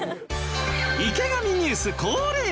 『池上ニュース』恒例